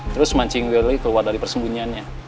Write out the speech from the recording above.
terus mancing willy keluar dari persembunyiannya